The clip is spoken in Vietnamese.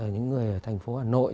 những người ở thành phố hà nội